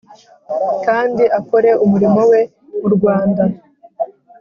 kandi akore umurimo we mu rwanda